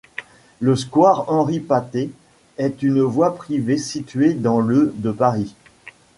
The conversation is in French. Le square Henry-Paté est une voie privée située dans le de Paris.